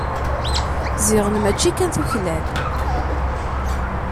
Ziɣen mačči kan tuklal.